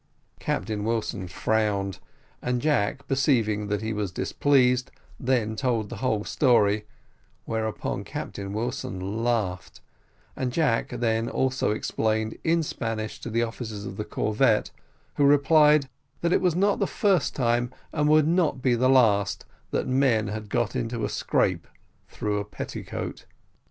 Captain Wilson frowned, and Jack, perceiving that he was displeased, then told him the whole story, whereupon Captain Wilson laughed, and Jack then also explained, in Spanish, to the officers of the corvette, who replied that it was not the first time, and would not be the last, that men had got into a scrape through a petticoat.